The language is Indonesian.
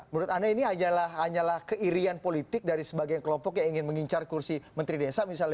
menurut anda ini hanyalah keirian politik dari sebagian kelompok yang ingin mengincar kursi menteri desa misalnya